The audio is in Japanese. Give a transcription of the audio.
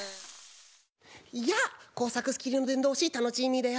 やあこうさくスキルのでんどうしタノチーミーだよ。